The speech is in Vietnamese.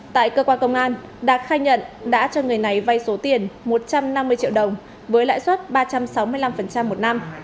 tại cơ quan công an đạt khai nhận đã cho người này vay số tiền một trăm năm mươi triệu đồng với lãi suất ba trăm sáu mươi năm một năm